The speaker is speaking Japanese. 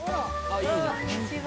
こんにちは。